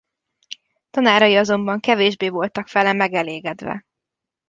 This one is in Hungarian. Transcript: Tanárai azonban kevésbé voltak vele megelégedve.